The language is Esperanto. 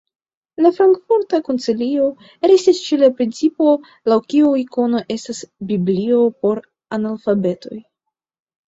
La Frankfurta koncilio restis ĉe la principo, laŭ kiu ikono estas "biblio por analfabetoj".